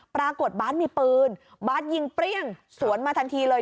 บาทมีปืนบาทยิงเปรี้ยงสวนมาทันทีเลย